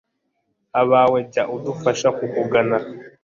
abawe, jya udufasha kukugana